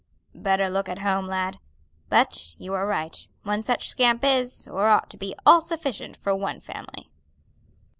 "Better look at home, lad. But you are right; one such scamp is, or ought to be, all sufficient for one family."